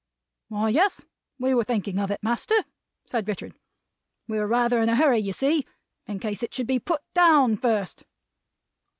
"Why, yes, we were thinking of it. Master," said Richard. "We're rather in a hurry you see, in case it should be Put Down first."